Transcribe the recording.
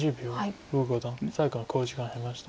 呉五段最後の考慮時間に入りました。